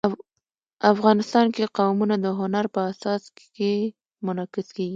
افغانستان کې قومونه د هنر په اثار کې منعکس کېږي.